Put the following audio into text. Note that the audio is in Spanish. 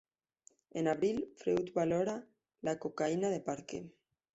En abril, Freud valora la cocaína de Parke.